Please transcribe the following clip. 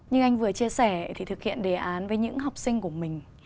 như anh vừa chia sẻ thì thực hiện đề án với những học sinh của mình